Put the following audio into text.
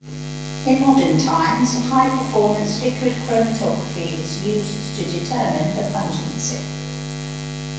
In modern times, high-performance liquid chromatography is used to determine the pungency.